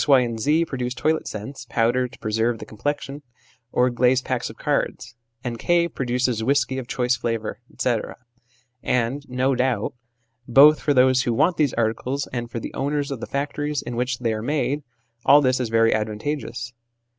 Y. and Z. produce toilet scents, powder to preserve the complexion, or glazed packs of cards; and K. produces whisky of choice flavour, etc. ; and, no doubt, both for those who want these articles and for the owners of the factories in which they are made, all this is very advantageous.